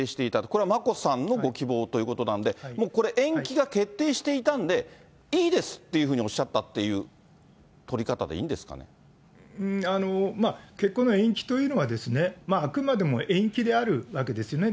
これは眞子さんのご希望ということなんで、もうこれ、延期が決定していたんで、いいですっていうふうにおっしゃったっていう取りかたでいいんで結婚の延期というのは、あくまでも延期であるわけですよね。